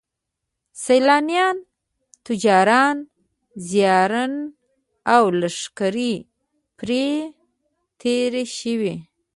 سیلانیان، تجاران، زایرین او لښکرې پرې تېر شوي.